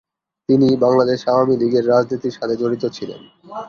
তিনি বাংলাদেশ আওয়ামী লীগের রাজনীতির সাথে জড়িত ছিলেন।